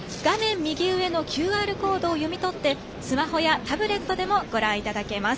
画面右上のＱＲコードで読み取ってスマホやタブレットでもご覧いただけます。